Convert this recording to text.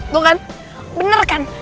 tuh kan bener kan